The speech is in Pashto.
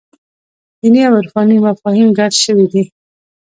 دیني او عرفاني مفاهیم ګډ شوي دي.